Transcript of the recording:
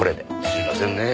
すいませんねえ。